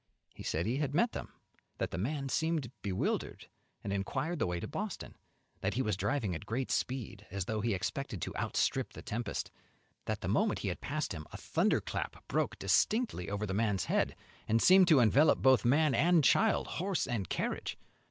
He said he had met them; that the man seemed bewildered, and inquired the way to Boston; that he was driving at great speed, as though he expected to outstrip the tempest; that the moment he had passed him a thunderclap broke distinctly over the man's head and seemed to envelop both man and child, horse and carriage.